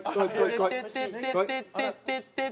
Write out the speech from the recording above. テテテテテテ。